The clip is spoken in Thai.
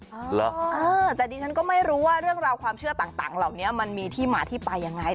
เหรอเออแต่ดิฉันก็ไม่รู้ว่าเรื่องราวความเชื่อต่างเหล่านี้มันมีที่มาที่ไปยังไง